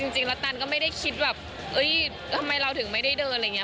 จริงแล้วตันก็ไม่ได้คิดแบบทำไมเราถึงไม่ได้เดินอะไรอย่างนี้